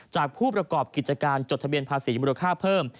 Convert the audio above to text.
ผู้ประกอบกิจการจดทะเบียนภาษีมูลค่าเพิ่ม